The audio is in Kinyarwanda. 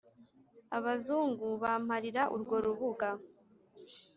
Abazungu bamparira urwo rubuga,